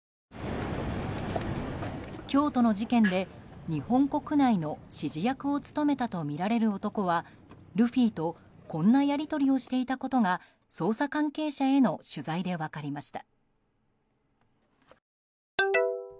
京都の事件で日本国内の指示役を務めたとみられる男はルフィとこんなやり取りをしていたことが捜査関係者への取材で分かりました。